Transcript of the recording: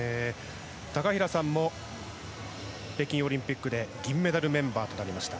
高平さんも北京オリンピックで銀メダルメンバーとなりました。